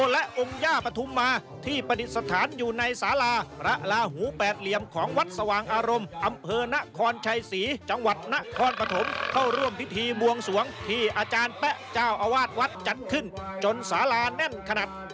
และเจ้าอาวาสวัดจัดขึ้นจนสาราแน่นขนาด